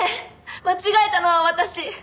間違えたのは私。